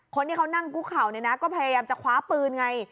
คนที่เขานั่งกุ๊กเข่าเนี่ยนะก็พยายามจะคว้าปืนไง